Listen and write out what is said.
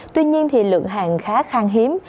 tuy nhiên lượng hàng khá khang hiếm